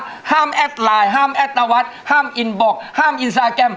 คุณจะเอาอย่างราชีอีกกระปุก